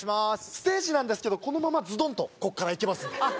ステージなんですけどこのままズドンとこっから行けますんであっ